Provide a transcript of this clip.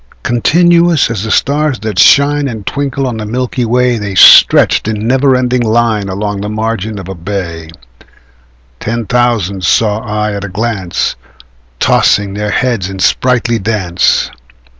Continuous as the stars that shine And twinkle on the milky way, The stretched in never ending line Along the margin of a bay: Ten thousand saw I at a glance, Tossing their heads in sprightly dance.